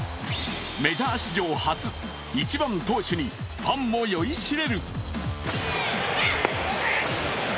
メジャー史上初、１番・投手にファンも酔いしれる。